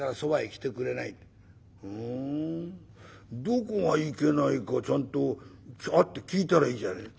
どこがいけないかちゃんと会って聞いたらいいじゃない」。